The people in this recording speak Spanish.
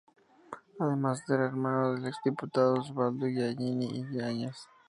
Además era hermano del exdiputado Osvaldo Giannini Íñiguez.